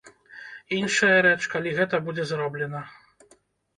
Іншая рэч, калі гэта будзе зроблена.